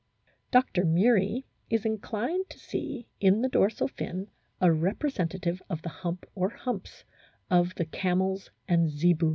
Dr. Murie is inclined to see in the dorsal fin a representative of the hump or humps of the camels and zebu.